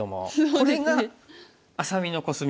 これが愛咲美のコスミ。